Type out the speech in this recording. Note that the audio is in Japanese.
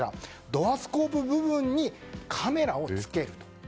ドアスコープ部分にカメラをつける。